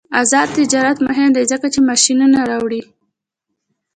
آزاد تجارت مهم دی ځکه چې ماشینونه راوړي.